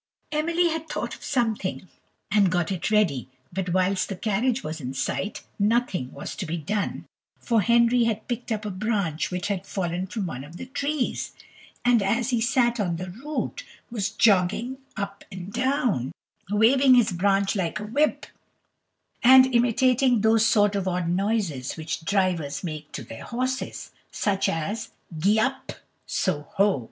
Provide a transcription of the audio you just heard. Emily had thought of something, and got it ready; but whilst the carriage was in sight nothing was to be done, for Henry had picked up a branch which had fallen from one of the trees, and as he sat on the root, was jogging up and down, waving his branch like a whip, and imitating those sort of odd noises which drivers make to their horses; such as gee up! so ho!